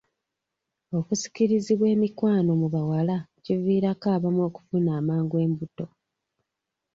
Okusikirizibwa emikwano mu bawala kiviirako abamu okufuna amangu embuto.